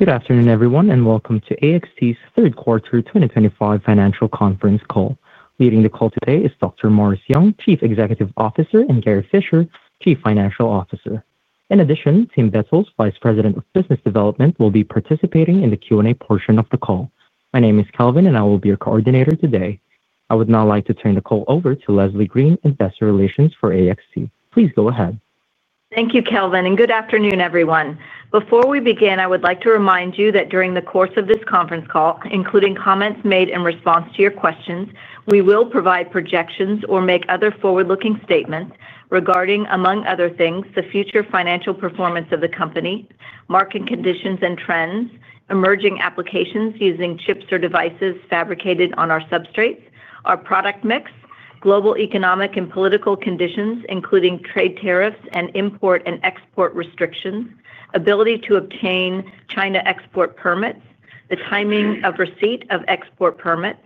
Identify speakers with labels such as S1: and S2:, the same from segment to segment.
S1: Good afternoon, everyone, and welcome to AXT Inc.'s Third Quarter 2025 Financial Conference call. Leading the call today is Dr. Morris Young, Chief Executive Officer, and Gary Fischer, Chief Financial Officer. In addition, Tim Bettles, Vice President of Business Development, will be participating in the Q&A portion of the call. My name is Calvin, and I will be your coordinator today. I would now like to turn the call over to Leslie Green, Investor Relations for AXT Inc. Please go ahead.
S2: Thank you, Calvin, and good afternoon, everyone. Before we begin, I would like to remind you that during the course of this conference call, including comments made in response to your questions, we will provide projections or make other forward-looking statements regarding, among other things, the future financial performance of the company, market conditions and trends, emerging applications using chips or devices fabricated on our substrates, our product mix, global economic and political conditions, including trade tariffs and import and export restrictions, ability to obtain China export permits, the timing of receipt of export permits,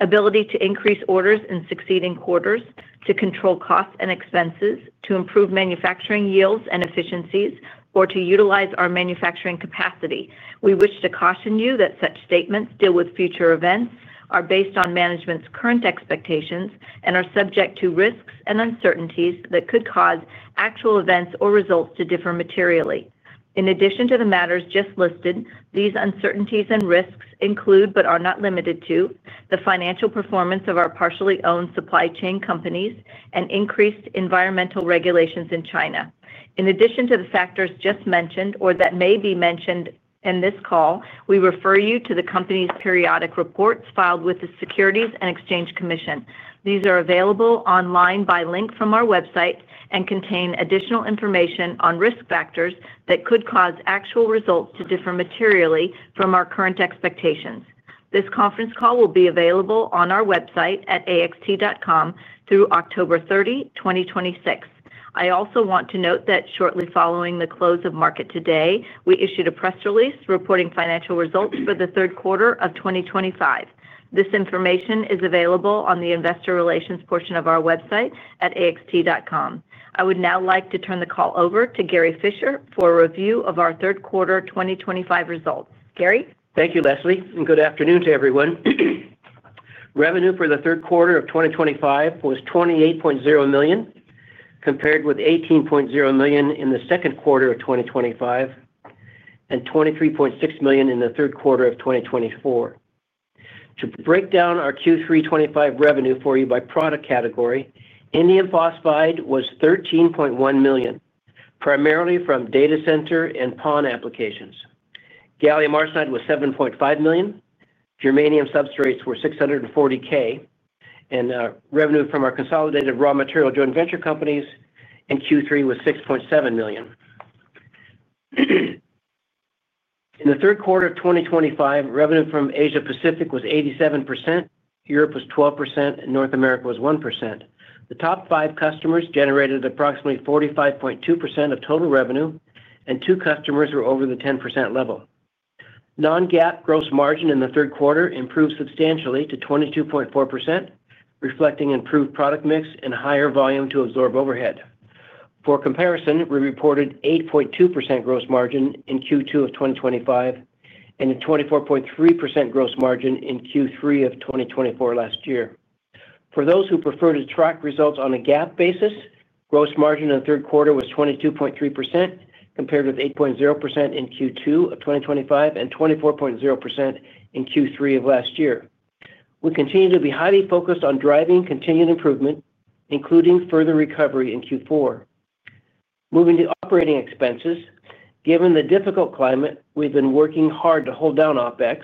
S2: ability to increase orders in succeeding quarters, to control costs and expenses, to improve manufacturing yields and efficiencies, or to utilize our manufacturing capacity. We wish to caution you that such statements deal with future events, are based on management's current expectations, and are subject to risks and uncertainties that could cause actual events or results to differ materially. In addition to the matters just listed, these uncertainties and risks include, but are not limited to, the financial performance of our partially owned supply chain companies and increased environmental regulations in China. In addition to the factors just mentioned or that may be mentioned in this call, we refer you to the company's periodic reports filed with the Securities and Exchange Commission. These are available online by link from our website and contain additional information on risk factors that could cause actual results to differ materially from our current expectations. This conference call will be available on our website at axt.com through October 30, 2026. I also want to note that shortly following the close of market today, we issued a press release reporting financial results for the third quarter of 2025. This information is available on the Investor Relations portion of our website at axt.com. I would now like to turn the call over to Gary Fischer for a review of our third quarter 2025 results. Gary.
S3: Thank you, Leslie, and good afternoon to everyone. Revenue for the third quarter of 2025 was $28.0 million, compared with $18.0 million in the second quarter of 2025 and $23.6 million in the third quarter of 2024. To break down our Q3 2025 revenue for you by product category, Indium Phosphide was $13.1 million, primarily from data center and passive optical network applications. Gallium Arsenide was $7.5 million. Germanium substrates were $0.64 million, and revenue from our consolidated raw material joint venture companies in Q3 was $6.7 million. In the third quarter of 2025, revenue from Asia-Pacific was 87%, Europe was 12%, and North America was 1%. The top five customers generated approximately 45.2% of total revenue, and two customers were over the 10% level. Non-GAAP gross margin in the third quarter improved substantially to 22.4%, reflecting improved product mix and higher volume to absorb overhead. For comparison, we reported 8.2% gross margin in Q2 of 2025 and a 24.3% gross margin in Q3 of 2024 last year. For those who prefer to track results on a GAAP basis, gross margin in the third quarter was 22.3%, compared with 8.0% in Q2 of 2025 and 24.0% in Q3 of last year. We continue to be highly focused on driving continued improvement, including further recovery in Q4. Moving to operating expenses, given the difficult climate, we've been working hard to hold down OpEx.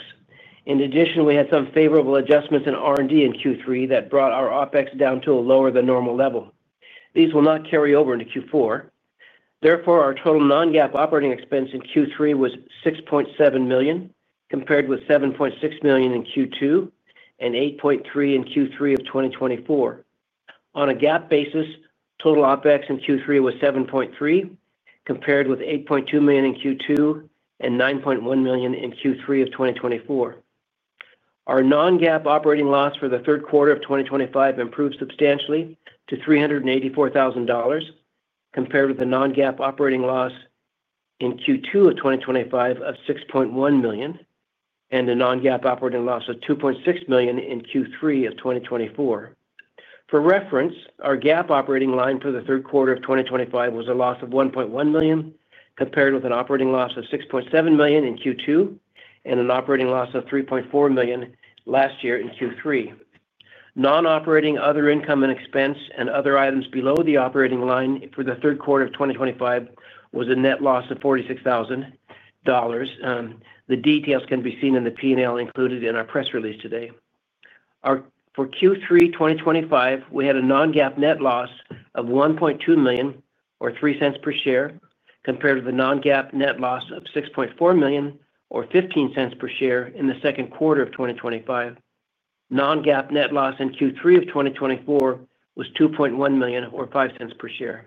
S3: In addition, we had some favorable adjustments in R&D in Q3 that brought our OpEx down to a lower-than-normal level. These will not carry over into Q4. Therefore, our total non-GAAP operating expense in Q3 was $6.7 million, compared with $7.6 million in Q2 and $8.3 million in Q3 of 2024. On a GAAP basis, total OpEx in Q3 was $7.3 million, compared with $8.2 million in Q2 and $9.1 million in Q3 of 2024. Our non-GAAP operating loss for the third quarter of 2025 improved substantially to $0.384 million, compared with the non-GAAP operating loss in Q2 of 2025 of $6.1 million and the non-GAAP operating loss of $2.6 million in Q3 of 2024. For reference, our GAAP operating line for the third quarter of 2025 was a loss of $1.1 million, compared with an operating loss of $6.7 million in Q2 and an operating loss of $3.4 million last year in Q3. Non-operating other income and expense and other items below the operating line for the third quarter of 2025 was a net loss of $0.046 million. The details can be seen in the P&L included in our press release today. For Q3 2025, we had a non-GAAP net loss of $1.2 million, or $0.03 per share, compared with the non-GAAP net loss of $6.4 million, or $0.15 per share, in the second quarter of 2025. Non-GAAP net loss in Q3 of 2024 was $2.1 million, or $0.05 per share.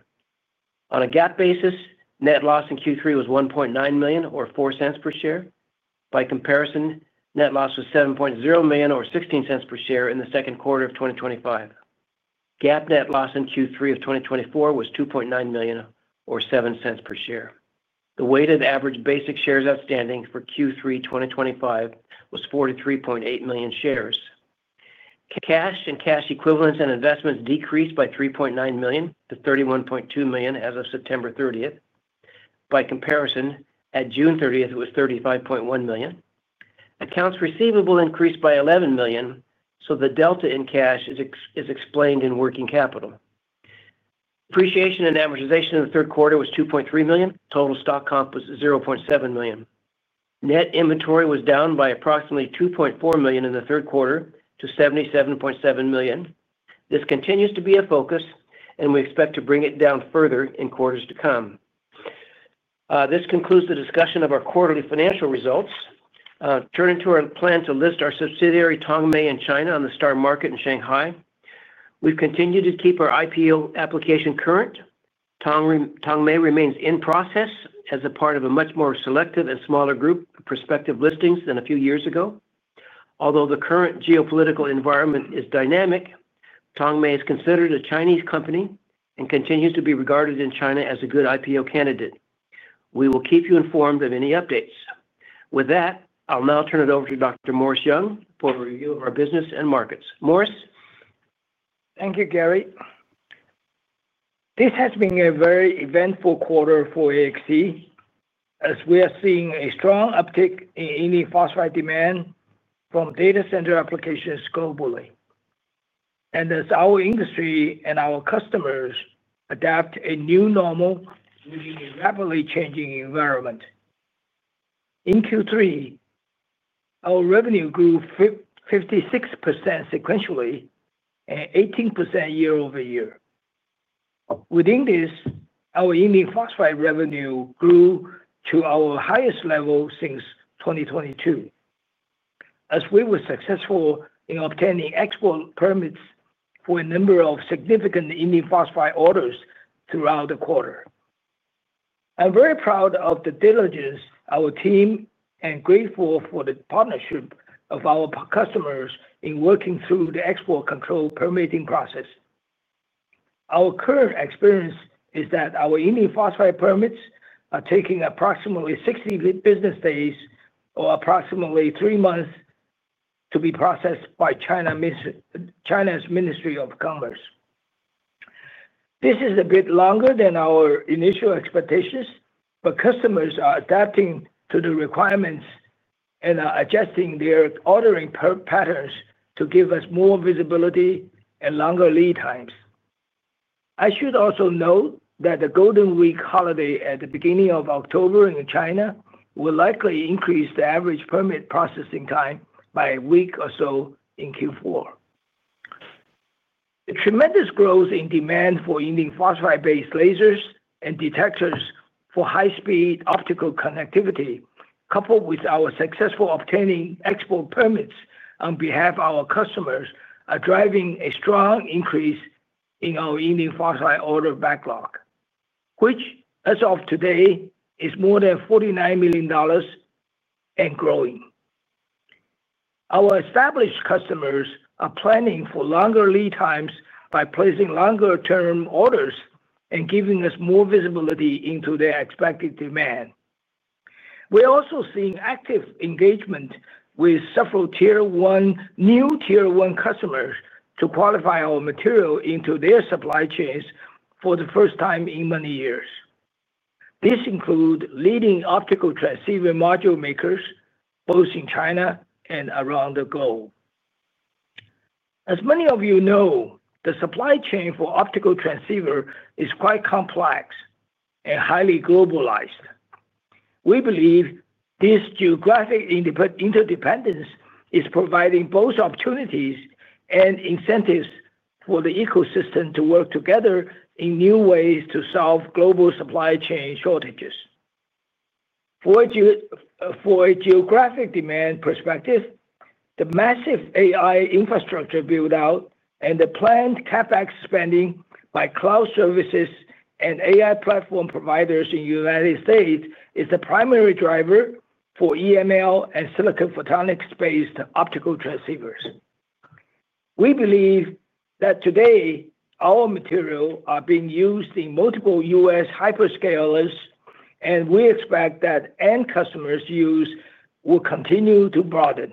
S3: On a GAAP basis, net loss in Q3 was $1.9 million, or $0.04 per share. By comparison, net loss was $7.0 million, or $0.16 per share, in the second quarter of 2025. GAAP net loss in Q3 of 2024 was $2.9 million, or $0.07 per share. The weighted average basic shares outstanding for Q3 2025 was 43.8 million shares. Cash and cash equivalents and investments decreased by $3.9 million to $31.2 million as of September 30th. By comparison, at June 30th, it was $35.1 million. Accounts receivable increased by $11 million, so the delta in cash is explained in working capital. Depreciation and amortization in the third quarter was $2.3 million. Total stock comp was $0.7 million. Net inventory was down by approximately $2.4 million in the third quarter to $77.7 million. This continues to be a focus, and we expect to bring it down further in quarters to come. This concludes the discussion of our quarterly financial results. Turning to our plan to list our subsidiary Tongmei in China on the STAR Market in Shanghai, we've continued to keep our IPO application current. Tongmei remains in process as a part of a much more selective and smaller group of prospective listings than a few years ago. Although the current geopolitical environment is dynamic, Tongmei is considered a Chinese company and continues to be regarded in China as a good IPO candidate. We will keep you informed of any updates. With that, I'll now turn it over to Dr. Morris Young for a review of our business and markets. Morris. Thank you, Gary. This has been a very eventful quarter for AXT Inc. as we are seeing a strong uptick in Indium Phosphide demand from data center applications globally, as our industry and our customers adapt to a new normal in a rapidly changing environment. In Q3, our revenue grew 56% sequentially and 18% year-over-year. Within this, our Indium Phosphide revenue grew to our highest level since 2022, as we were successful in obtaining export permits for a number of significant Indium Phosphide orders throughout the quarter. I'm very proud of the diligence of our team and grateful for the partnership of our customers in working through the export control permitting process. Our current experience is that our Indium Phosphide permits are taking approximately 60 business days, or approximately three months, to be processed by China's Ministry of Commerce. This is a bit longer than our initial expectations, but customers are adapting to the requirements and are adjusting their ordering patterns to give us more visibility and longer lead times. I should also note that the Golden Week holiday at the beginning of October in China will likely increase the average permit processing time by a week or so in Q4. The tremendous growth in demand for Indium Phosphide-based lasers and detectors for high-speed optical connectivity, coupled with our successful obtaining export permits on behalf of our customers, are driving a strong increase in our Indium Phosphide order backlog, which, as of today, is more than $49 million and growing. Our established customers are planning for longer lead times by placing longer-term orders and giving us more visibility into their expected demand. We're also seeing active engagement with several new Tier 1 customers to qualify our material into their supply chains for the first time in many years. This includes leading optical transceiver module makers, both in China and around the globe. As many of you know, the supply chain for optical transceivers is quite complex and highly globalized. We believe this geographic interdependence is providing both opportunities and incentives for the ecosystem to work together in new ways to solve global supply chain shortages. From a geographic demand perspective, the massive AI infrastructure buildout and the planned CapEx spending by cloud services and AI platform providers in the United States is the primary driver for EML and silicon photonics-based optical transceivers. We believe that today our material is being used in multiple U.S. hyperscalers, and we expect that end customers' use will continue to broaden.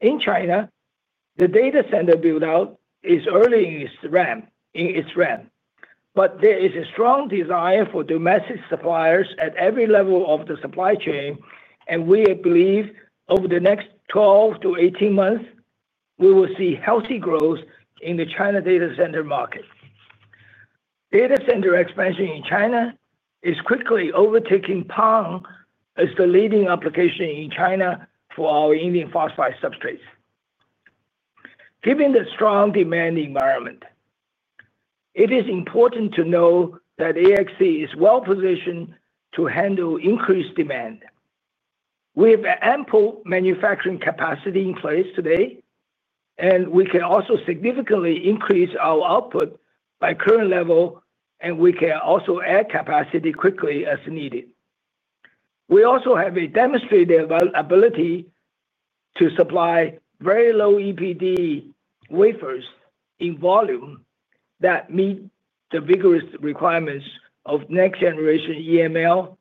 S3: In China, the data center build-out is early in its ramp, but there is a strong desire for domestic suppliers at every level of the supply chain, and we believe over the next 12-18 months, we will see healthy growth in the China data center market. Data center expansion in China is quickly overtaking PON as the leading application in China for our Indium Phosphide substrates. Given the strong demand environment, it is important to know that AXT Inc. is well-positioned to handle increased demand. We have ample manufacturing capacity in place today, and we can also significantly increase our output by current level, and we can also add capacity quickly as needed. We also have a demonstrated ability to supply very low EPD wafers in volume that meet the rigorous requirements of next-generation EML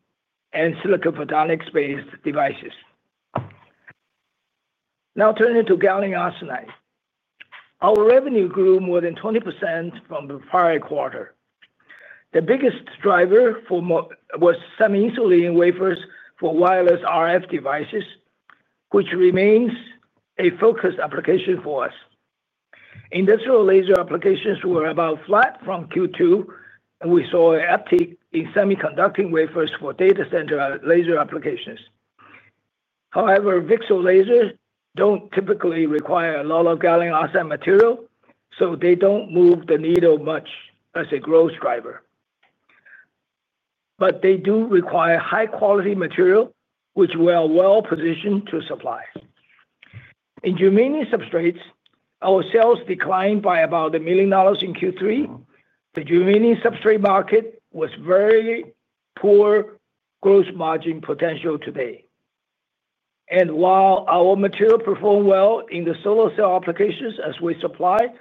S3: and silicon photonics-based devices. Now, turning to Gary Fischer. Our revenue grew more than 20% from the prior quarter. The biggest driver was semi-insulating wafers for wireless RF devices, which remains a focus application for us. Industrial laser applications were about flat from Q2, and we saw an uptick in semiconducting wafers for data center laser applications. However, VCSEL lasers don't typically require a lot of AXT Inc. material, so they don't move the needle much as a growth driver, but they do require high-quality material, which we are well-positioned to supply. In Germanium substrates, our sales declined by about $1 million in Q3. The Germanium substrate market has very poor gross margin potential today, and while our material performed well in the solar cell applications as we supplied,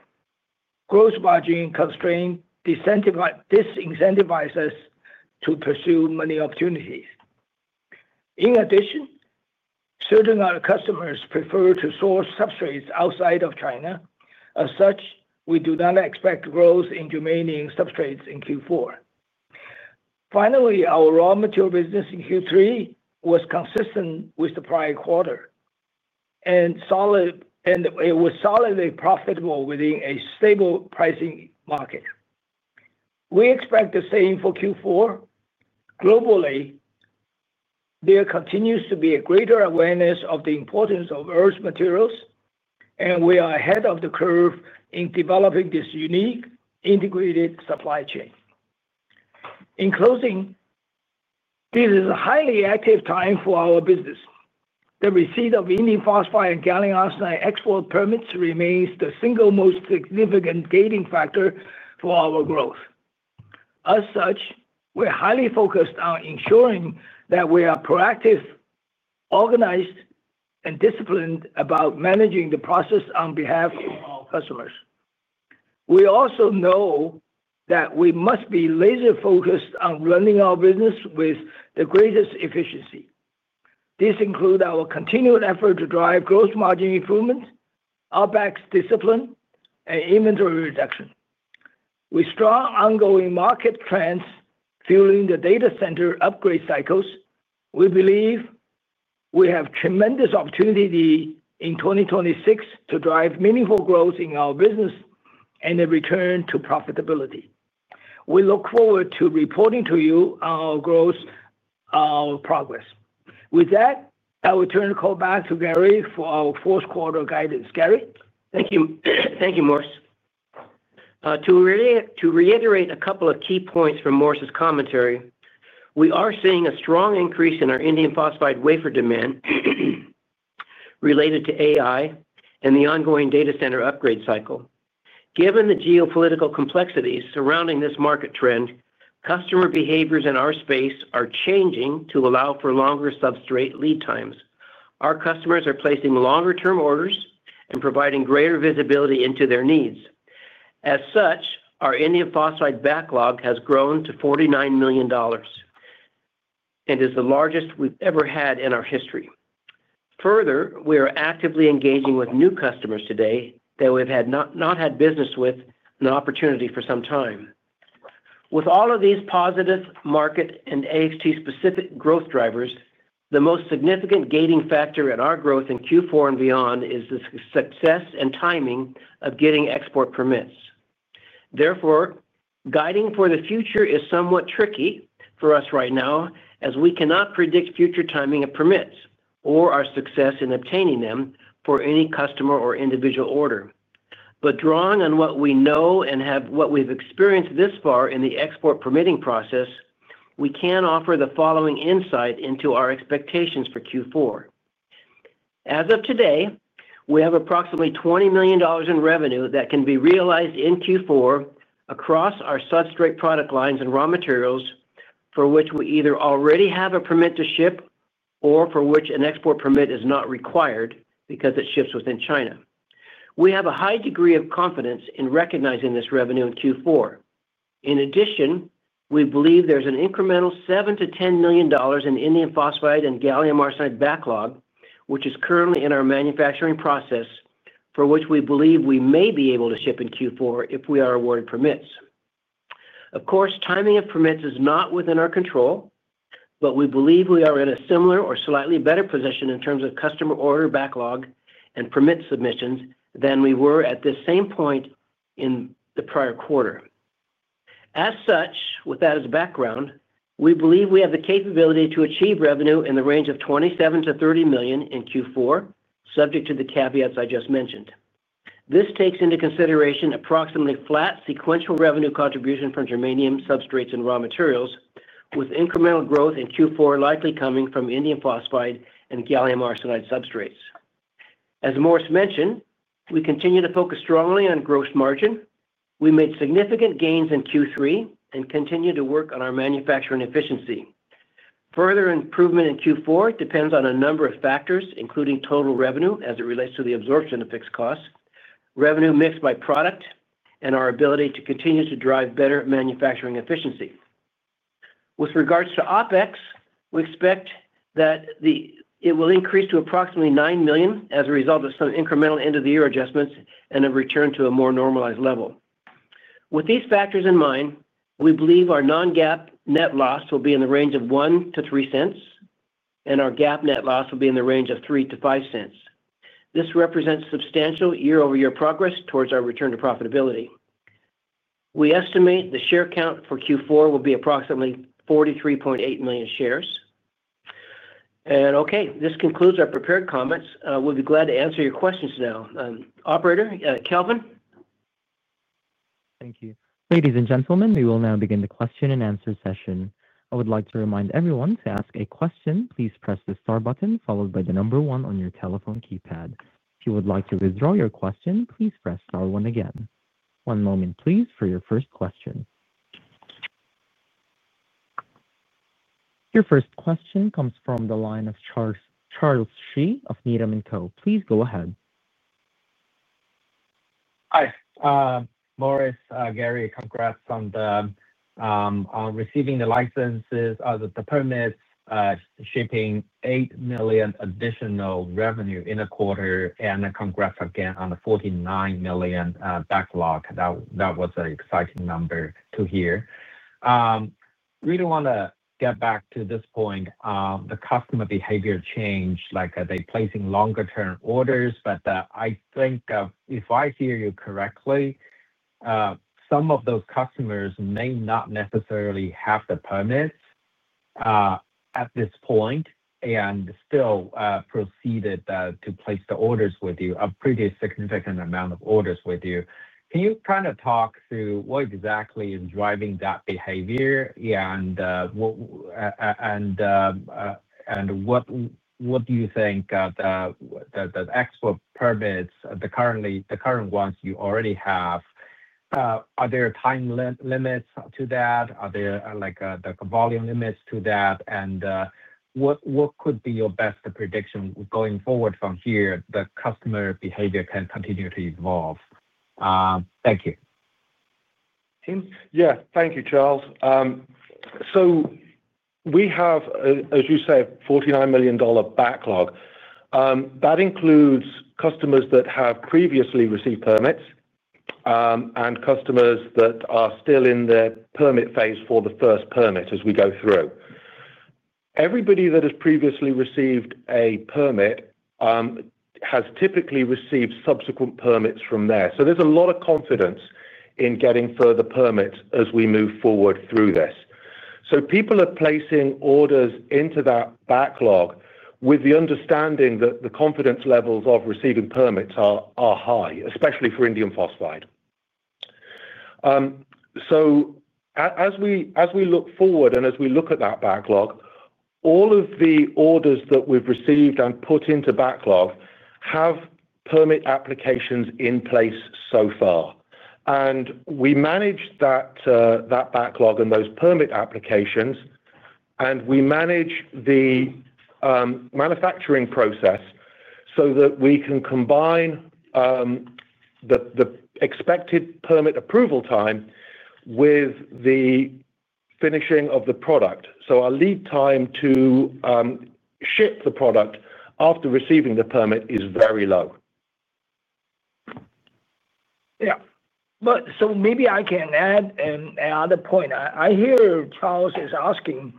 S3: gross margin constraint disincentivizes us to pursue many opportunities. In addition, certain of our customers prefer to source substrates outside of China. As such, we do not expect growth in Germanium substrates in Q4. Finally, our raw material business in Q3 was consistent with the prior quarter, and it was solidly profitable within a stable pricing market. We expect the same for Q4. Globally, there continues to be a greater awareness of the importance of Earth materials, and we are ahead of the curve in developing this unique integrated supply chain. In closing, this is a highly active time for our business. The receipt of Indium Phosphide and Gary Fischer export permits remains the single most significant gating factor for our growth. As such, we're highly focused on ensuring that we are proactive, organized, and disciplined about managing the process on behalf of our customers. We also know that we must be laser-focused on running our business with the greatest efficiency. This includes our continued effort to drive gross margin improvement, OpEx discipline, and inventory reduction. With strong ongoing market trends fueling the data center upgrade cycles, we believe we have tremendous opportunity in 2026 to drive meaningful growth in our business and a return to profitability. We look forward to reporting to you on our growth progress. With that, I will turn the call back to Gary for our fourth quarter guidance. Gary, thank you. Thank you, Morris. To reiterate a couple of key points from Morris's commentary, we are seeing a strong increase in our Indium Phosphide wafer demand related to AI and the ongoing data center upgrade cycle. Given the geopolitical complexities surrounding this market trend, customer behaviors in our space are changing to allow for longer substrate lead times. Our customers are placing longer-term orders and providing greater visibility into their needs. As such, our Indium Phosphide backlog has grown to $49 million and is the largest we've ever had in our history. Further, we are actively engaging with new customers today that we've not had business with an opportunity for some time. With all of these positive market and AXT-specific growth drivers, the most significant gating factor in our growth in Q4 and beyond is the success and timing of getting export permits. Therefore, guiding for the future is somewhat tricky for us right now, as we cannot predict future timing of permits or our success in obtaining them for any customer or individual order. Drawing on what we know and what we've experienced this far in the export permitting process, we can offer the following insight into our expectations for Q4. As of today, we have approximately $20 million in revenue that can be realized in Q4 across our substrate product lines and raw materials for which we either already have a permit to ship or for which an export permit is not required because it ships within China. We have a high degree of confidence in recognizing this revenue in Q4. In addition, we believe there's an incremental $7-$10 million in Indium Phosphide and Gary Fischer backlog, which is currently in our manufacturing process, for which we believe we may be able to ship in Q4 if we are awarded permits. Of course, timing of permits is not within our control, but we believe we are in a similar or slightly better position in terms of customer order backlog and permit submissions than we were at this same point in the prior quarter. With that as a background, we believe we have the capability to achieve revenue in the range of $27-$30 million in Q4, subject to the caveats I just mentioned. This takes into consideration approximately flat sequential revenue contribution from Germanium substrates and raw materials, with incremental growth in Q4 likely coming from Indium Phosphide and Gary Fischer substrates. As Morris mentioned, we continue to focus strongly on gross margin. We made significant gains in Q3 and continue to work on our manufacturing efficiency. Further improvement in Q4 depends on a number of factors, including total revenue as it relates to the absorption of fixed costs, revenue mix by product, and our ability to continue to drive better manufacturing efficiency. With regards to OpEx, we expect that it will increase to approximately $9 million as a result of some incremental end-of-the-year adjustments and a return to a more normalized level. With these factors in mind, we believe our non-GAAP net loss will be in the range of $0.01- $0.03. Our GAAP net loss will be in the range of $0.03-$0.05. This represents substantial year-over-year progress towards our return to profitability. We estimate the share count for Q4 will be approximately 43.8 million shares. This concludes our prepared comments. We'll be glad to answer your questions now. Operator Calvin.
S1: Thank you. Ladies and gentlemen, we will now begin the question and answer session. I would like to remind everyone to ask a question. Please press the star button followed by the number one on your telephone keypad. If you would like to withdraw your question, please press star one again. One moment, please, for your first question. Your first question comes from the line of Charles Shi of Needham. Please go ahead.
S4: Hi. Morris, Gary, congrats on receiving the licenses, the permits, shipping $8 million additional revenue in a quarter, and congrats again on the $49 million backlog. That was an exciting number to hear. Really want to get back to this point. The customer behavior changed, like they're placing longer-term orders, but I think, if I hear you correctly, some of those customers may not necessarily have the permits at this point and still proceeded to place the orders with you, a pretty significant amount of orders with you. Can you kind of talk through what exactly is driving that behavior and what do you think? The export permits, the current ones you already have, are there time limits to that? Are there volume limits to that? What could be your best prediction going forward from here? The customer behavior can continue to evolve. Thank you.
S5: Yeah, thank you, Charles. We have, as you said, a $49 million backlog. That includes customers that have previously received permits and customers that are still in the permit phase for the first permit as we go through. Everybody that has previously received a permit has typically received subsequent permits from there. There's a lot of confidence in getting further permits as we move forward through this. People are placing orders into that backlog with the understanding that the confidence levels of receiving permits are high, especially for Indium Phosphide. As we look forward and as we look at that backlog, all of the orders that we've received and put into backlog have permit applications in place so far. We manage that backlog and those permit applications, and we manage the manufacturing process so that we can combine the expected permit approval time with the finishing of the product. Our lead time to ship the product after receiving the permit is very low.
S6: Yeah. Maybe I can add another point. I hear Charles is asking,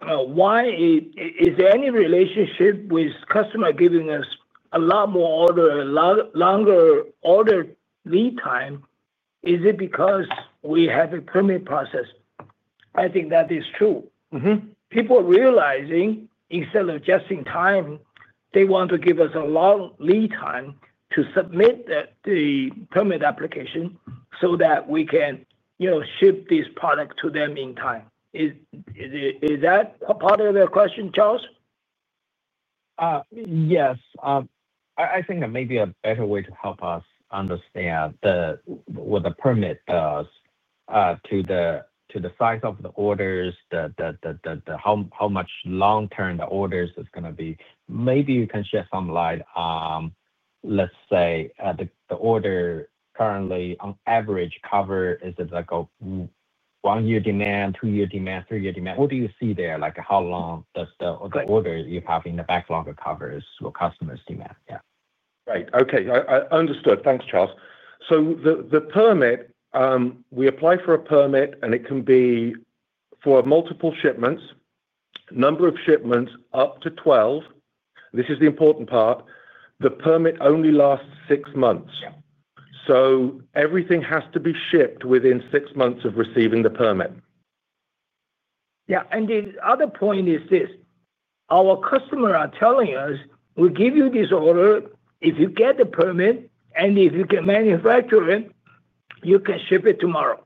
S6: why is there any relationship with customer giving us a lot more order, longer order lead time? Is it because we have a permit process? I think that is true. People realizing instead of just in time, they want to give us a long lead time to submit the permit application so that we can ship this product to them in time. Is that part of the question, Charles?
S4: Yes. I think maybe a better way to help us understand what the permit does to the size of the orders, how much long-term the orders is going to be. Maybe you can shed some light on, let's say, the order currently on average cover is a one-year demand, two-year demand, three-year demand. What do you see there? How long does the order you have in the backlog cover for customers' demand? Yeah.
S5: Right. Okay. Understood. Thanks, Charles. The permit, we apply for a permit, and it can be for multiple shipments, number of shipments up to 12. This is the important part. The permit only lasts six months. Everything has to be shipped within six months of receiving the permit.
S6: Yeah. The other point is this. Our customers are telling us, "We give you this order. If you get the permit and if you can manufacture it, you can ship it tomorrow.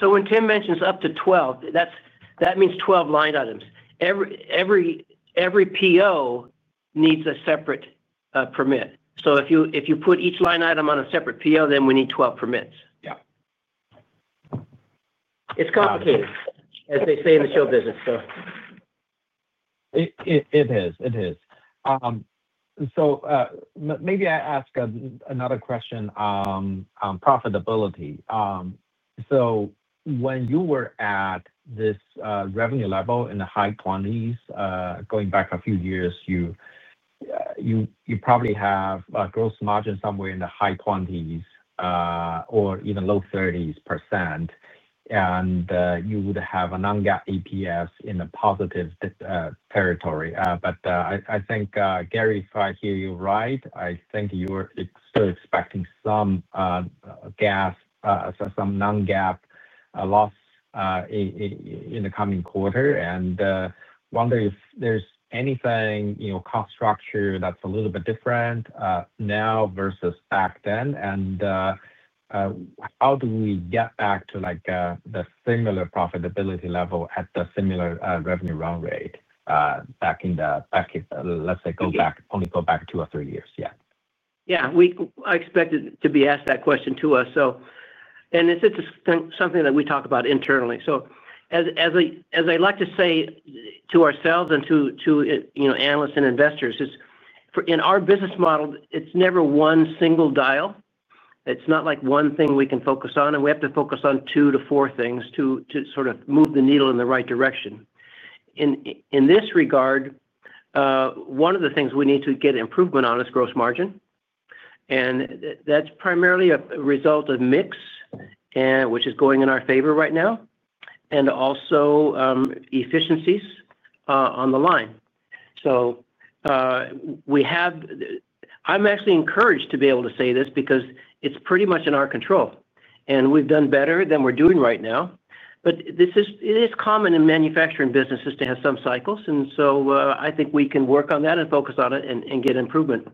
S6: When Tim mentions up to 12, that means 12 line items. Every PO needs a separate permit. If you put each line item on a separate PO, then we need 12 permits. Yeah. It's complicated, as they say in the show business.
S4: Maybe I ask another question on profitability. When you were at this revenue level in the high 20s, going back a few years, you probably have a gross margin somewhere in the high 20s or even low 30s %. You would have a non-GAAP EPS in a positive territory. I think, Gary, if I hear you right, I think you're still expecting some GAAP, some non-GAAP loss in the coming quarter. I wonder if there's anything, cost structure, that's a little bit different now versus back then. How do we get back to the similar profitability level at the similar revenue round rate back in the, let's say, only go back two or three years?
S3: Yeah. I expected to be asked that question. It's just something that we talk about internally. As I like to say to ourselves and to analysts and investors, in our business model, it's never one single dial. It's not like one thing we can focus on. We have to focus on two to four things to sort of move the needle in the right direction. In this regard, one of the things we need to get improvement on is gross margin. That's primarily a result of mix, which is going in our favor right now, and also efficiencies on the line. I'm actually encouraged to be able to say this because it's pretty much in our control. We've done better than we're doing right now. It is common in manufacturing businesses to have some cycles. I think we can work on that and focus on it and get improvement.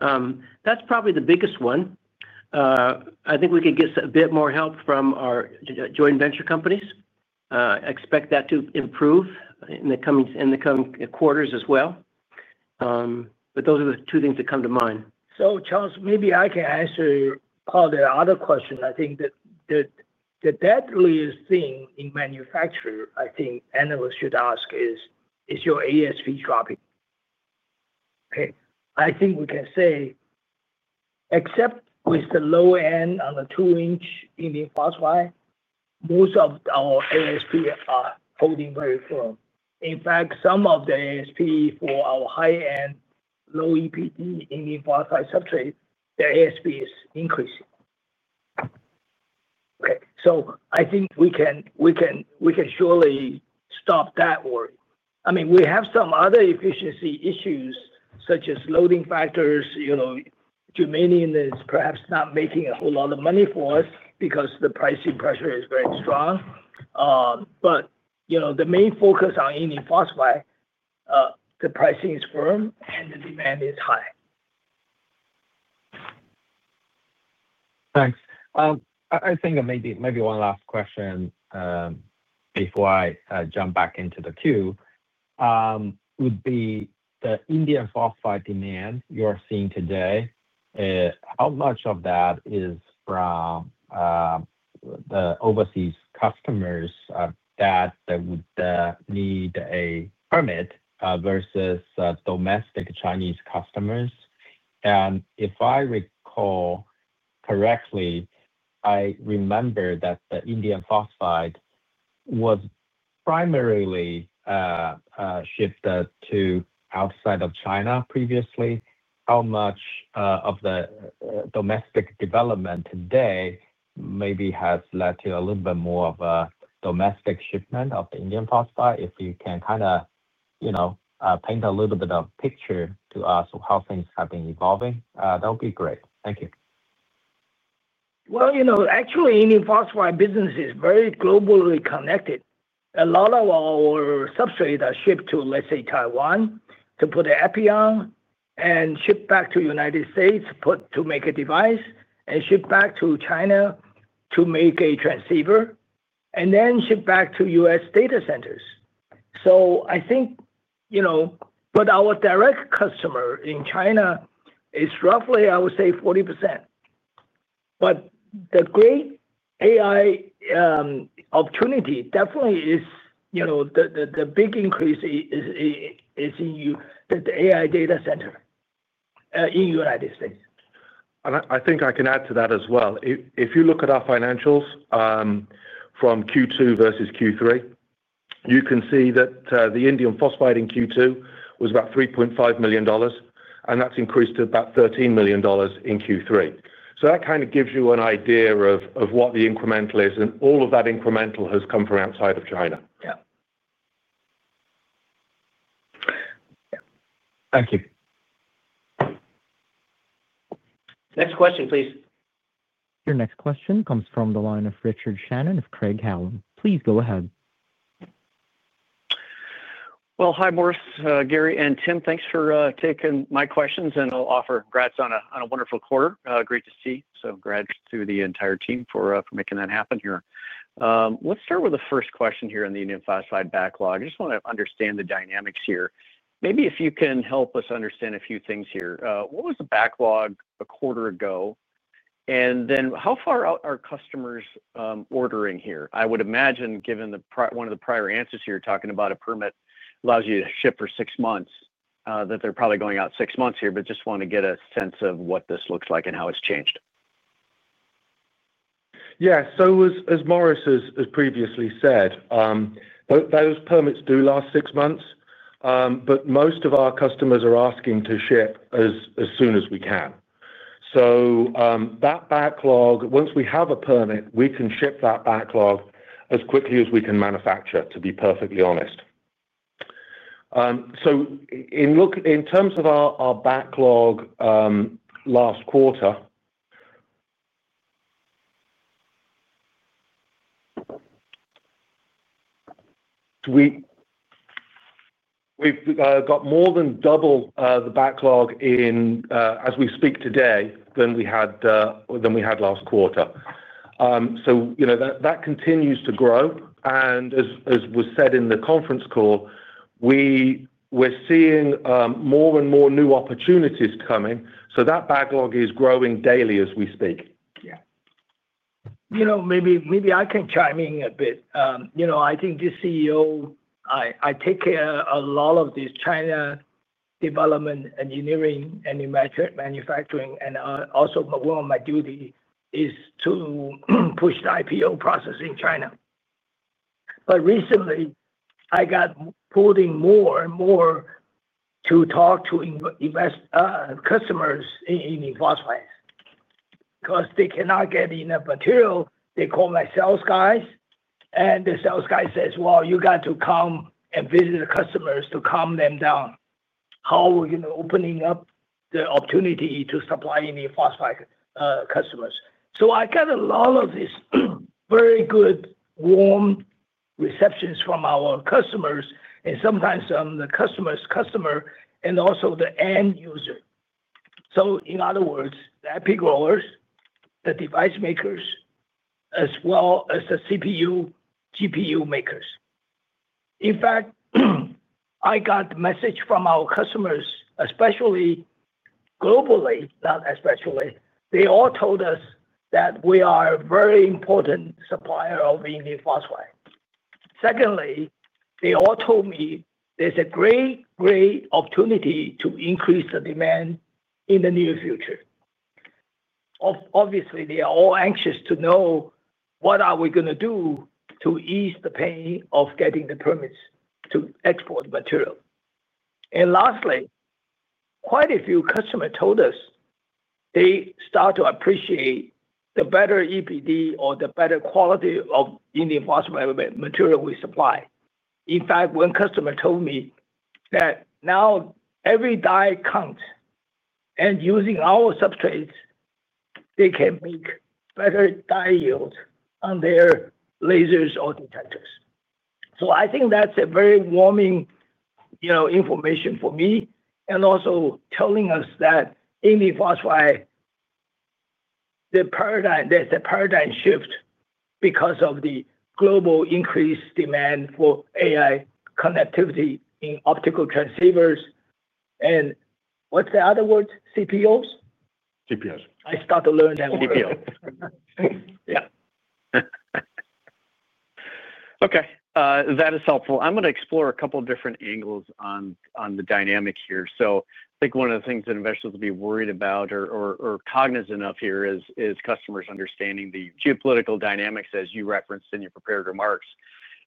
S3: That's probably the biggest one. I think we could get a bit more help from our joint venture companies. I expect that to improve in the coming quarters as well. Those are the two things that come to mind.
S6: Charles, maybe I can answer all the other questions. I think the deadliest thing in manufacturing analysts should ask is, is your ASP dropping? I think we can say, except with the low-end on the two-inch Indium Phosphide, most of our ASP are holding very firm. In fact, some of the ASP for our high-end low EPD Indium Phosphide substrate, the ASP is increasing. I think we can surely stop that worry. We have some other efficiency issues such as loading factors. Germanium is perhaps not making a whole lot of money for us because the pricing pressure is very strong. The main focus on Indium Phosphide, the pricing is firm and the demand is high.
S4: Thanks. I think maybe one last question before I jump back into the queue would be the Indium Phosphide demand you're seeing today. How much of that is from the overseas customers that would need a permit versus domestic Chinese customers? If I recall correctly, I remember that the Indium Phosphide was primarily shipped to outside of China previously. How much of the domestic development today maybe has led to a little bit more of a domestic shipment of the Indium Phosphide? If you can kind of paint a little bit of a picture to us of how things have been evolving, that would be great. Thank you.
S6: Indium Phosphide business is very globally connected. A lot of our substrates are shipped to, let's say, Taiwan to put an EPI on and ship back to the United States to make a device and ship back to China to make a transceiver and then ship back to U.S. data centers. I think our direct customer in China is roughly, I would say, 40%. The great AI opportunity definitely is the big increase in the AI data center in the United States.
S5: I think I can add to that as well. If you look at our financials, from Q2 versus Q3, you can see that the Indium Phosphide in Q2 was about $3.5 million, and that's increased to about $13 million in Q3. That kind of gives you an idea of what the incremental is. All of that incremental has come from outside of China.
S4: Thank you.
S3: Next question, please.
S1: Your next question comes from the line of Richard Shannon of Craig-Hallum. Please go ahead.
S7: Hi, Morris, Gary, and Tim. Thanks for taking my questions. I'll offer congrats on a wonderful quarter. Great to see. Congrats to the entire team for making that happen here. Let's start with the first question on the Indium Phosphide backlog. I just want to understand the dynamics here. Maybe if you can help us understand a few things. What was the backlog a quarter ago? How far out are customers ordering? I would imagine, given one of the prior answers talking about a permit allows you to ship for six months, that they're probably going out six months, but just want to get a sense of what this looks like and how it's changed.
S5: Yeah. As Dr. Morris Young has previously said, those permits do last six months. Most of our customers are asking to ship as soon as we can, so that backlog, once we have a permit, we can ship that backlog as quickly as we can manufacture, to be perfectly honest. In terms of our backlog, last quarter we got more than double the backlog as we speak today than we had last quarter. That continues to grow. As was said in the conference call, we're seeing more and more new opportunities coming, so that backlog is growing daily as we speak.
S6: Yeah. Maybe I can chime in a bit. I think as the CEO, I take care of a lot of this China development, engineering, and manufacturing. Also, one of my duties is to push the IPO process in China. Recently, I got pulled in more and more to talk to customers in Indium Phosphide because they cannot get enough material. They call my sales guys, and the sales guy says, "You got to come and visit the customers to calm them down. How are we going to open up the opportunity to supply Indium Phosphide customers?" I got a lot of these very good, warm receptions from our customers, and sometimes from the customer's customer and also the end user. In other words, the IP growers, the device makers, as well as the CPU, GPU makers. In fact, I got messages from our customers globally. They all told us that we are a very important supplier of Indium Phosphide. Secondly, they all told me there's a great, great opportunity to increase the demand in the near future. Obviously, they are all anxious to know what we are going to do to ease the pain of getting the permits to export material. Lastly, quite a few customers told us they start to appreciate the better EPD or the better quality of Indium Phosphide material we supply. In fact, one customer told me that now every die counts, and using our substrates, they can make better die yields on their lasers or detectors. I think that's very warming information for me and also telling us that Indium Phosphide, there's a paradigm shift because of the global increased demand for AI connectivity in optical transceivers and what's the other word, CPOs?
S5: CPOs.
S6: I start to learn that word.
S5: CPOs.
S6: Yeah.
S7: Okay. That is helpful. I'm going to explore a couple of different angles on the dynamic here. I think one of the things that investors will be worried about or cognizant of here is customers understanding the geopolitical dynamics, as you referenced in your prepared remarks.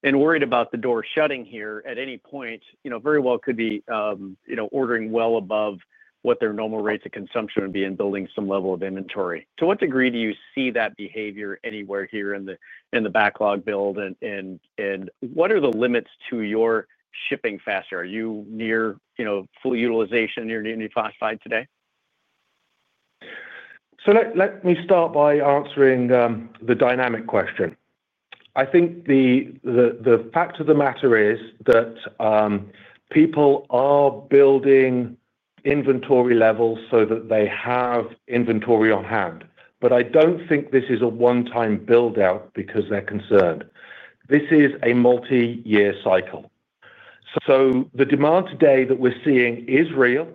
S7: Worried about the door shutting here at any point, very well could be. Ordering well above what their normal rates of consumption would be and building some level of inventory. To what degree do you see that behavior anywhere here in the backlog build? What are the limits to your shipping factor? Are you near full utilization in your Indium Phosphide today?
S5: Let me start by answering the dynamic question. The fact of the matter is that people are building inventory levels so that they have inventory on hand. I don't think this is a one-time buildout because they're concerned. This is a multi-year cycle. The demand today that we're seeing is real,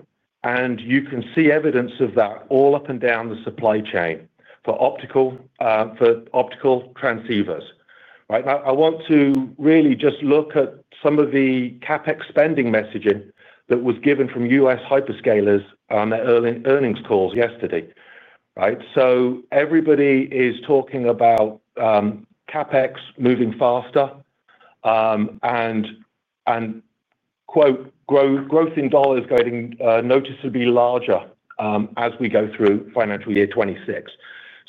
S5: and you can see evidence of that all up and down the supply chain for optical transceivers. I want to really just look at some of the CapEx spending messaging that was given from U.S. hyperscalers on their earnings calls yesterday. Everybody is talking about CapEx moving faster, and "growth in dollars getting noticeably larger as we go through financial year 2026."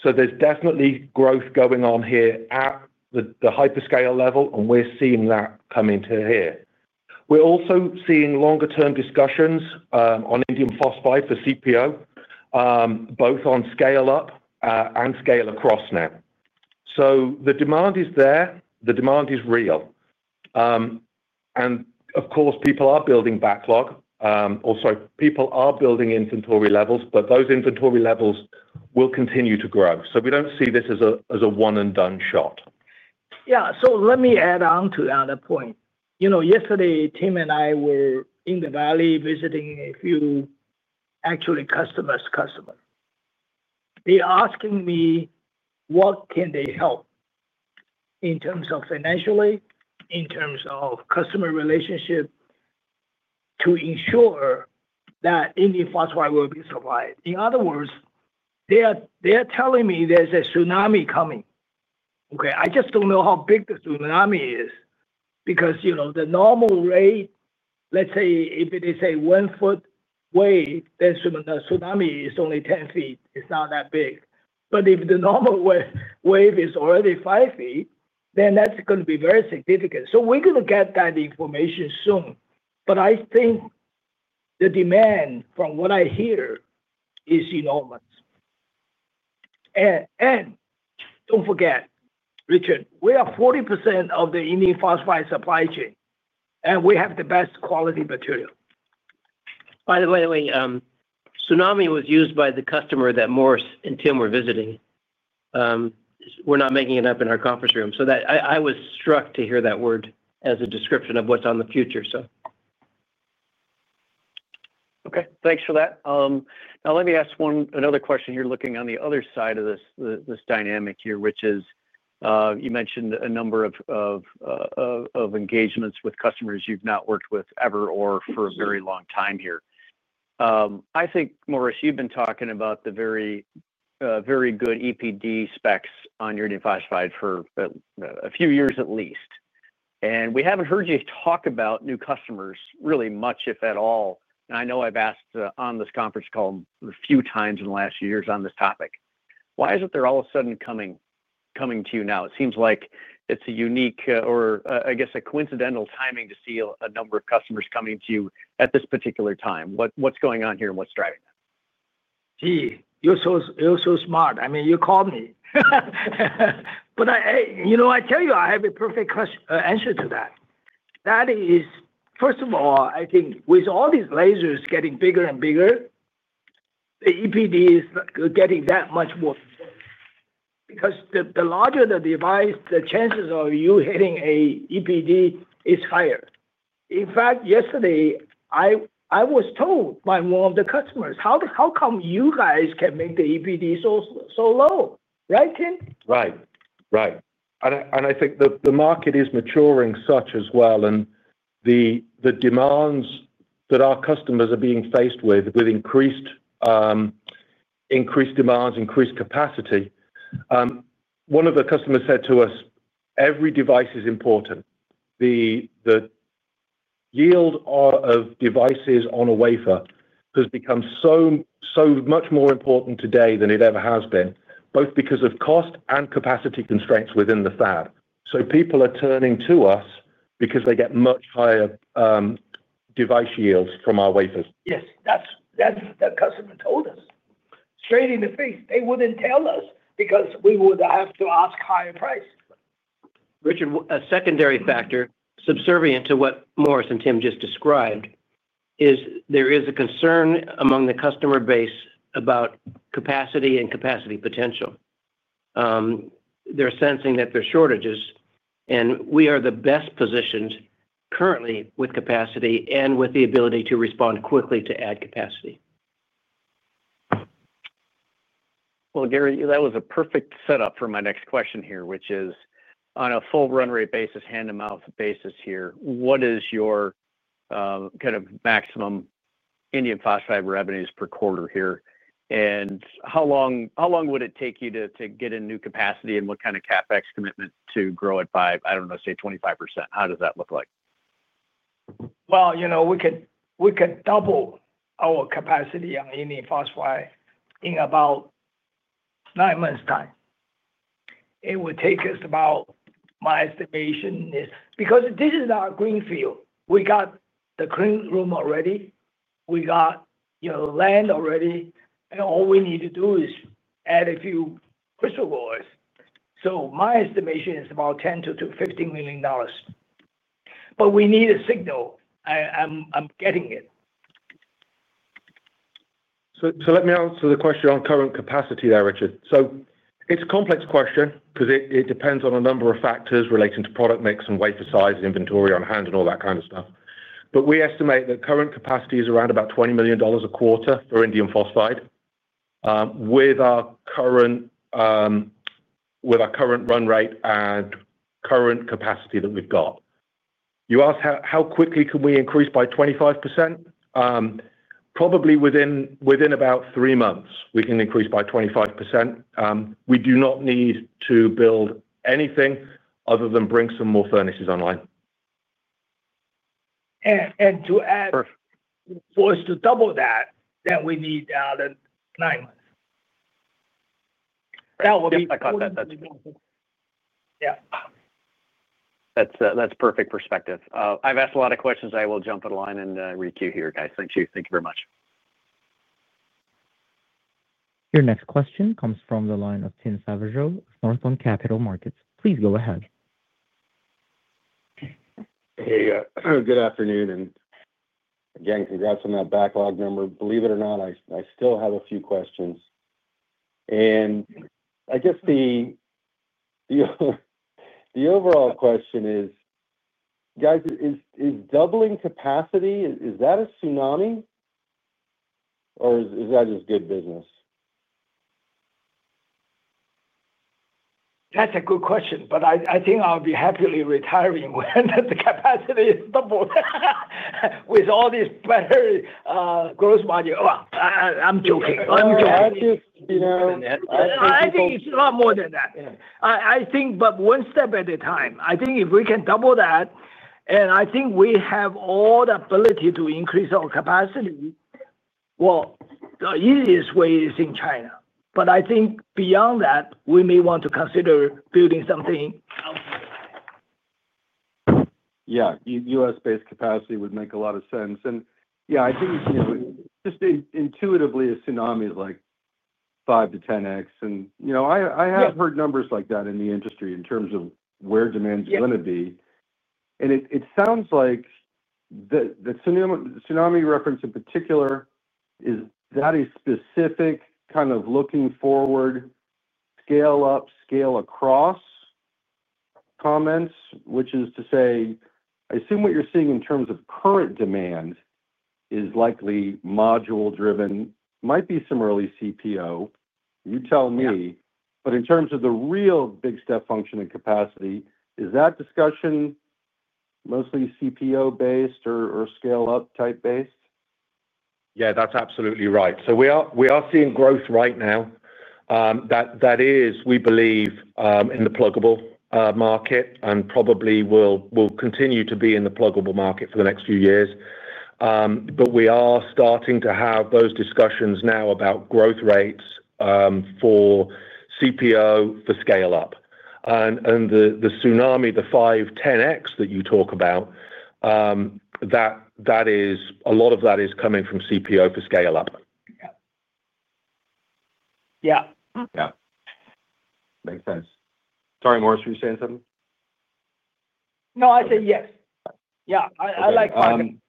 S5: There's definitely growth going on here at the hyperscale level, and we're seeing that come into here. We're also seeing longer-term discussions on Indium Phosphide for CPO, both on scale-up and scale-across now. The demand is there. The demand is real. Of course, people are building backlog. Also, people are building inventory levels, but those inventory levels will continue to grow. We don't see this as a one-and-done shot.
S6: Yeah. Let me add on to the other point. Yesterday, Tim and I were in the valley visiting a few, actually customers' customers. They're asking me what can they help in terms of financially, in terms of customer relationship, to ensure that Indium Phosphide will be supplied. In other words, they are telling me there's a tsunami coming. I just don't know how big the tsunami is because the normal rate, let's say, if it is a one-foot wave, then the tsunami is only 10 feet. It's not that big. If the normal wave is already 5 feet, then that's going to be very significant. We're going to get that information soon. I think the demand, from what I hear, is enormous. Don't forget, Richard, we are 40% of the Indium Phosphide supply chain, and we have the best quality material.
S3: By the way, tsunami was used by the customer that Morris and Tim were visiting. We're not making it up in our conference room. I was struck to hear that word as a description of what's on the future.
S7: Okay. Thanks for that. Now, let me ask another question here, looking on the other side of this dynamic here, which is, you mentioned a number of engagements with customers you've not worked with ever or for a very long time here. I think, Morris, you've been talking about the very good EPD specs on your Indium Phosphide for a few years at least. We haven't heard you talk about new customers really much, if at all. I know I've asked on this conference call a few times in the last few years on this topic. Why is it they're all of a sudden coming to you now? It seems like it's a unique or, I guess, a coincidental timing to see a number of customers coming to you at this particular time. What's going on here and what's driving that?
S6: Gee, you're so smart. I mean, you called me. I have a perfect answer to that. That is, first of all, I think with all these lasers getting bigger and bigger, the EPD is getting that much more because the larger the device, the chances of you hitting an EPD is higher. In fact, yesterday, I was told by one of the customers, "How come you guys can make the EPD so low?" Right, Tim?
S5: Right. I think the market is maturing as well. The demands that our customers are being faced with, with increased demands, increased capacity. One of the customers said to us, "Every device is important. The yield of devices on a wafer has become so much more important today than it ever has been, both because of cost and capacity constraints within the fab." People are turning to us because they get much higher device yields from our wafers.
S6: Yes. That's what that customer told us straight in the face. They wouldn't tell us because we would have to ask higher price.
S3: Richard, a secondary factor subservient to what Morris and Tim just described is there is a concern among the customer base about capacity and capacity potential. They're sensing that there are shortages. We are the best positioned currently with capacity and with the ability to respond quickly to add capacity.
S7: Gary, that was a perfect setup for my next question here, which is on a full run rate basis, hand-to-mouth basis here, what is your kind of maximum Indium Phosphide revenues per quarter here? How long would it take you to get a new capacity and what kind of CapEx commitment to grow it by, I don't know, say, 25%? How does that look like?
S6: We could double our capacity on Indium Phosphide in about nine months' time. It would take us about, my estimation is because this is our greenfield. We got the clean room already, we got land already, and all we need to do is add a few crystal gourds. My estimation is about $10-$15 million, but we need a signal. I'm getting it.
S5: Let me answer the question on current capacity there, Richard. It's a complex question because it depends on a number of factors relating to product mix, wafer size, inventory on hand, and all that kind of stuff. We estimate that current capacity is around $20 million a quarter for Indium Phosphide. With our current run rate and current capacity that we've got, you ask how quickly can we increase by 25%. Probably within about three months, we can increase by 25%. We do not need to build anything other than bring some more furnaces online.
S6: For us to double that, we need another nine months.
S7: Yeah. That's perfect perspective. I've asked a lot of questions. I will jump on the line and read to you here, guys. Thank you. Thank you very much.
S1: Your next question comes from the line of Tim Savageaux, Northland Capital Markets. Please go ahead.
S8: Hey, good afternoon. Again, congrats on that backlog number. Believe it or not, I still have a few questions. I guess the overall question is, guys, is doubling capacity, is that a tsunami or is that just good business?
S6: That's a good question. I think I'll be happily retiring when the capacity is doubled, with all this better gross margin. I'm joking. I'm joking. I think it's a lot more than that, but one step at a time. I think if we can double that, and I think we have all the ability to increase our capacity. The easiest way is in China, but I think beyond that, we may want to consider building something else.
S8: Yeah. U.S.-based capacity would make a lot of sense. I think just intuitively, a tsunami is like 5-10x. I have heard numbers like that in the industry in terms of where demand's going to be. It sounds like the tsunami reference in particular, is that a specific kind of looking forward, scale-up, scale-across comments? Which is to say, I assume what you're seeing in terms of current demand is likely module-driven. Might be some early CPO. You tell me. In terms of the real big step function and capacity, is that discussion mostly CPO-based or scale-up type-based?
S5: Yeah, that's absolutely right. We are seeing growth right now. That is, we believe, in the pluggable market and probably will continue to be in the pluggable market for the next few years. We are starting to have those discussions now about growth rates for co-packaged optics for scale-up, and the tsunami, the 5x, 10x that you talk about. A lot of that is coming from co-packaged optics for scale-up.
S6: Yeah. Yeah.
S8: Makes sense. Sorry, Morris, were you saying something?
S6: I said yes. Yeah, I like questions.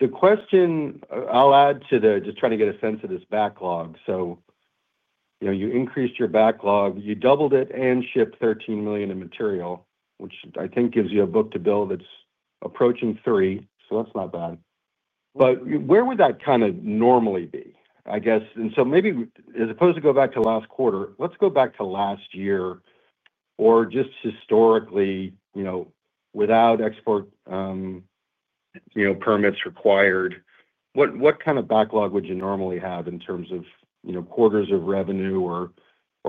S8: The question I'll add to just trying to get a sense of this backlog. You increased your backlog, you doubled it, and shipped $13 million in material, which I think gives you a book to bill that's approaching 3. That's not bad. Where would that kind of normally be, I guess? Maybe as opposed to go back to last quarter, let's go back to last year. Or just historically, without export permits required, what kind of backlog would you normally have in terms of quarters of revenue or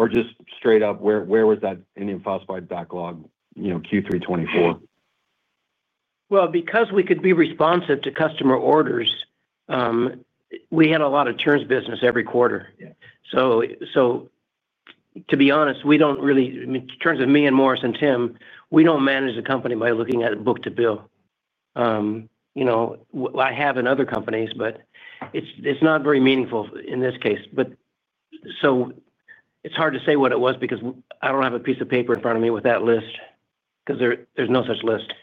S8: just straight up, where was that Indium Phosphide backlog Q3 2024?
S3: Because we could be responsive to customer orders, we had a lot of turns business every quarter. To be honest, we don't really, in terms of me and Morris and Tim, we don't manage the company by looking at a book to bill. I have in other companies, but it's not very meaningful in this case. It's hard to say what it was because I don't have a piece of paper in front of me with that list because there's no such list.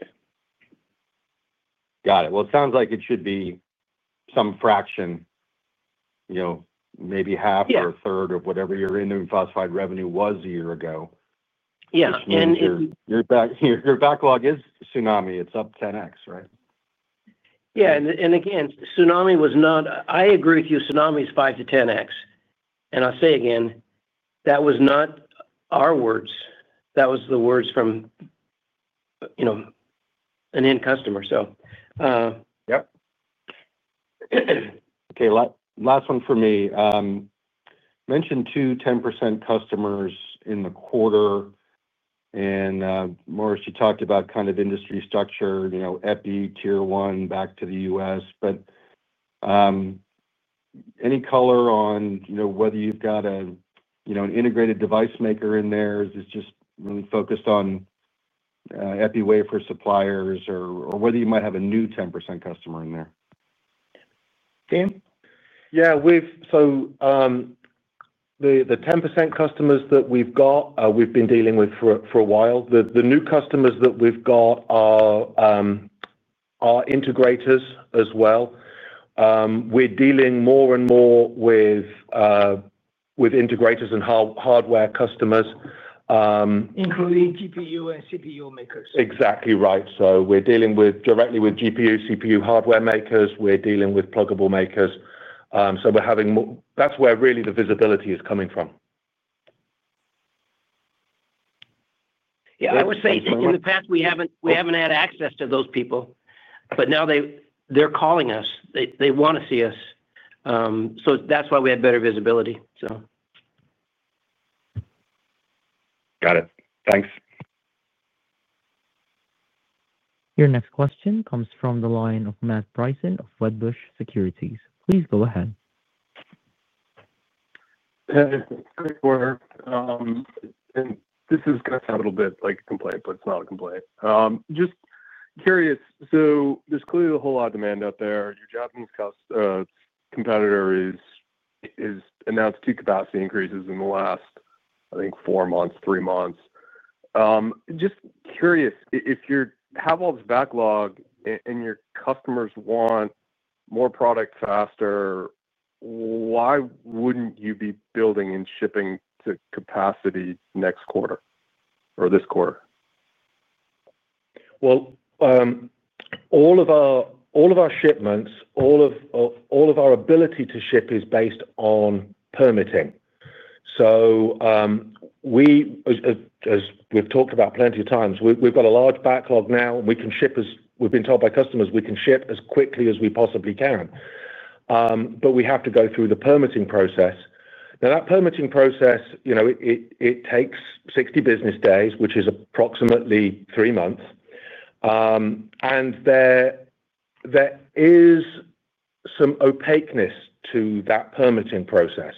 S8: It sounds like it should be some fraction, maybe half or a third of whatever your Indium Phosphide revenue was a year ago.
S3: Yeah. And.
S8: Your backlog is tsunami. It's up 10x, right?
S3: Yeah. Tsunami was not, I agree with you. Tsunami is 5-10x. I'll say again, that was not our words. That was the words from an end customer.
S8: Okay. Last one for me. Mentioned two 10% customers in the quarter. Morris, you talked about kind of industry structure, EPI, tier one, back to the U.S. Any color on whether you've got an integrated device maker in there? Is this just really focused on EPI wafer suppliers or whether you might have a new 10% customer in there? Tim?
S5: Yeah. The 10% customers that we've got, we've been dealing with for a while. The new customers that we've got are integrators as well. We're dealing more and more with integrators and hardware customers.
S6: Including GPU and CPU makers.
S5: Exactly right. We're dealing directly with GPU, CPU hardware makers, and we're dealing with pluggable makers. That's where really the visibility is coming from.
S3: I would say in the past, we haven't had access to those people. Now they're calling us. They want to see us. That's why we have better visibility.
S8: Got it. Thanks.
S1: Your next question comes from the line of Matthew Bryson of Wedbush Securities. Please go ahead.
S9: Hey, Morris. This is going to sound a little bit like a complaint, but it's not a complaint. Just curious. There's clearly a whole lot of demand out there. Your Japanese competitor has announced two capacity increases in the last, I think, four months, three months. Just curious, if you have all this backlog and your customers want more product faster, why wouldn't you be building and shipping to capacity next quarter or this quarter?
S5: All of our shipments, all of our ability to ship is based on permitting. As we've talked about plenty of times, we've got a large backlog now, and we can ship as we've been told by customers, we can ship as quickly as we possibly can. We have to go through the permitting process. That permitting process takes 60 business days, which is approximately three months. There is some opaqueness to that permitting process.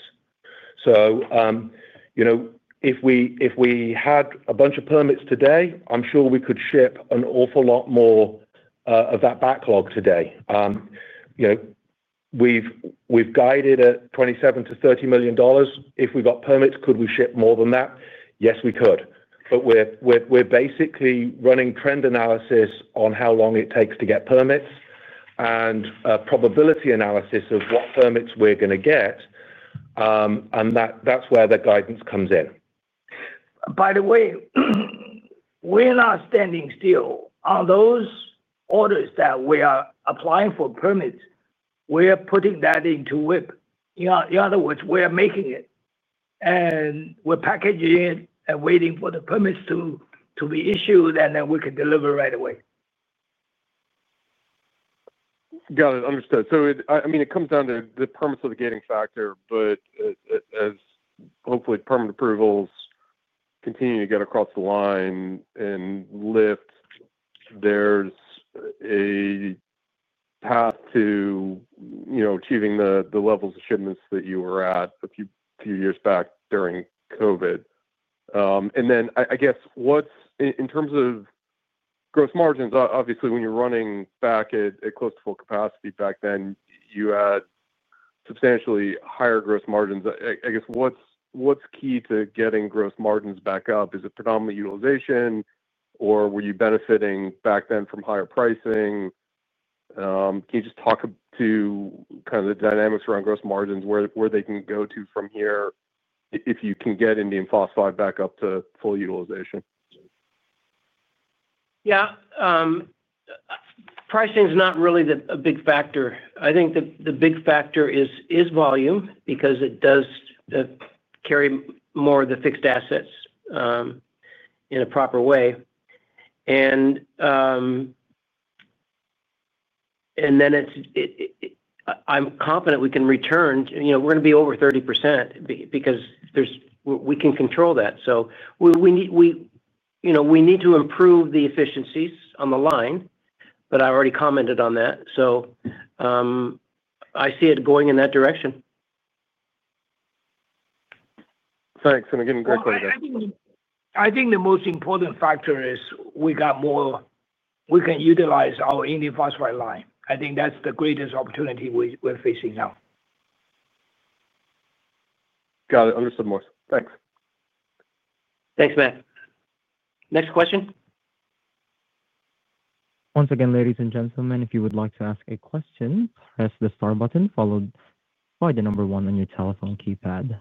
S5: If we had a bunch of permits today, I'm sure we could ship an awful lot more of that backlog today. We've guided at $27 million-$30 million. If we got permits, could we ship more than that? Yes, we could. We're basically running trend analysis on how long it takes to get permits and a probability analysis of what permits we're going to get, and that's where the guidance comes in.
S6: By the way, we're not standing still. On those orders that we are applying for permits, we are putting that into WIP. In other words, we are making it, packaging it, and waiting for the permits to be issued, then we can deliver right away.
S9: Got it. Understood. It comes down to the permits are the gating factor. As hopefully permit approvals continue to get across the line and lift, there's a path to achieving the levels of shipments that you were at a few years back during COVID. I guess in terms of gross margins, obviously, when you're running back at close to full capacity back then, you had substantially higher gross margins. I guess what's key to getting gross margins back up? Is it predominantly utilization, or were you benefiting back then from higher pricing? Can you just talk to kind of the dynamics around gross margins, where they can go to from here if you can get Indium Phosphide back up to full utilization?
S3: Yeah. Pricing is not really a big factor. I think the big factor is volume because it does carry more of the fixed assets in a proper way. I'm confident we can return we're going to be over 30% because we can control that. We need to improve the efficiencies on the line, but I already commented on that. I see it going in that direction.
S9: Thanks. Greg, what was that?
S6: I think the most important factor is we got more. We can utilize our Indium Phosphide line. I think that's the greatest opportunity we're facing now.
S9: Got it. Understood, Morris. Thanks.
S3: Thanks, Matt. Next question.
S1: Once again, ladies and gentlemen, if you would like to ask a question, press the star button followed by the number one on your telephone keypad.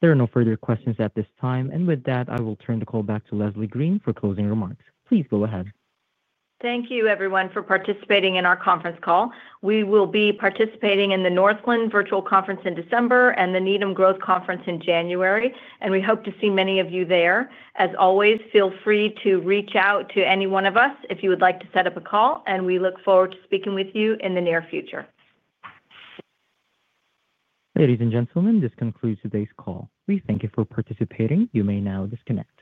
S1: There are no further questions at this time. With that, I will turn the call back to Leslie Green for closing remarks. Please go ahead.
S2: Thank you, everyone, for participating in our conference call. We will be participating in the Northland Virtual Conference in December and the Needham Growth Conference in January. We hope to see many of you there. As always, feel free to reach out to any one of us if you would like to set up a call. We look forward to speaking with you in the near future.
S1: Ladies and gentlemen, this concludes today's call. We thank you for participating. You may now disconnect.